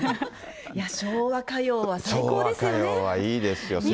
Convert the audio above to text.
昭和歌謡はいいですよ。